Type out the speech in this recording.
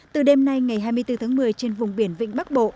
từ đêm nay ngày hai mươi bốn tháng một mươi trên vùng biển vịnh bắc bộ